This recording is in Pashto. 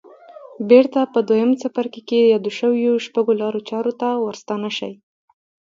بېرته په دويم څپرکي کې يادو شويو شپږو لارو چارو ته ورستانه شئ.